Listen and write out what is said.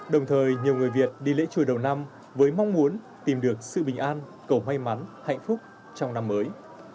đồng thời nhiều người việt đi lễ chùa đầu năm với mong muốn tìm được sự bình an cầu may mắn hạnh phúc trong năm mới